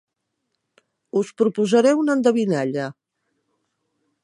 Us proposaré una endevinalla.